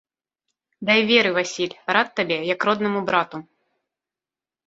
Дай веры, Васіль, рад табе, як роднаму брату.